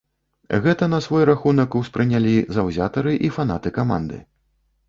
Гэта на свой рахунак успрынялі заўзятары і фанаты каманды.